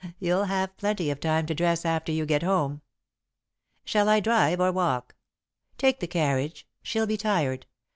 You'll have plenty of time to dress after you get home." "Shall I drive, or walk?" "Take the carriage. She'll be tired.